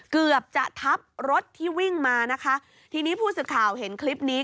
เกือบจะทับรถที่วิ่งมานะคะทีนี้ผู้สื่อข่าวเห็นคลิปนี้